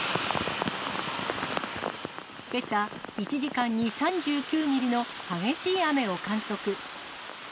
けさ、１時間に３９ミリの激しい雨を観測。